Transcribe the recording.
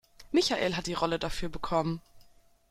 Michael hat die Rolle dafür bekommen.